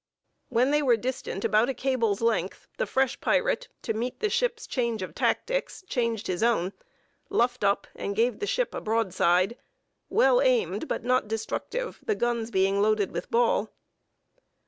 When they were distant about a cable's length, the fresh pirate, to meet the ship's change of tactics, changed his own, luffed up, and gave the ship a broadside, well aimed but not destructive, the guns being loaded with ball.